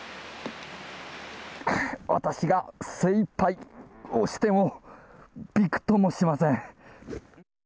私が精いっぱい押してもびくともしません。